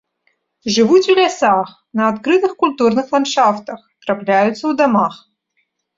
Жывуць у лясах, на адкрытых культурных ландшафтах, трапляюцца ў дамах.